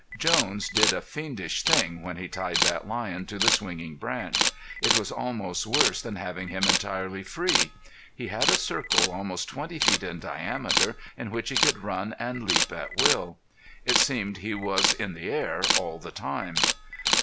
Jones did a fiendish thing when he tied that lion to the swinging branch. It was almost worse than having him entirely free. He had a circle almost twenty feet in diameter in which he could run and leap at will. It seemed he was in the air all the time.